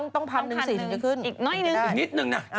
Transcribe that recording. ต้องพัน๑๐๐๐๔๐๐๐ถึงจะขึ้นอีกได้อีกนิดนึงน่ะ